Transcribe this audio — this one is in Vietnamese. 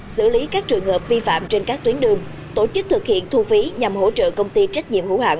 xử lý các trường hợp vi phạm trên các tuyến đường tổ chức thực hiện thu phí nhằm hỗ trợ công ty trách nhiệm hữu hạng